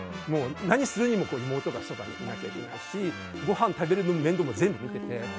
何するにも妹がそばにいなきゃいけないしご飯を食べるのも面倒も全部見てて。